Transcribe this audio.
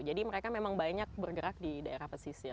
jadi mereka memang banyak bergerak di daerah pesisir